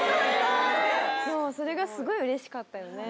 それがスゴいうれしかったよね